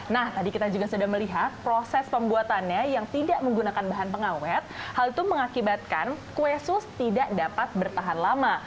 nah tadi kita juga sudah melihat proses pembuatannya yang tidak menggunakan bahan pengawet hal itu mengakibatkan kue sus tidak dapat bertahan lama